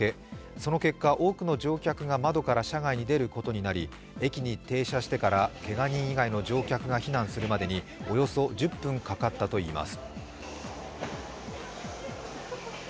その結果、多くの乗客が窓から車外に出ることになり、駅に停車してからけが人以外の乗客が避難するまでにおよそ１０分かかったといいます。